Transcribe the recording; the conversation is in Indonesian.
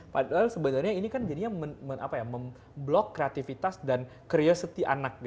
padahal sebenarnya ini jadinya memblok kreativitas dan curiosity anak